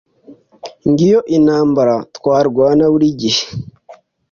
Ngiyo intambara twarwana burigihe